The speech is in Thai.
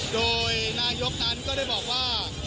โดยนายกนั้นก็ได้บอกว่า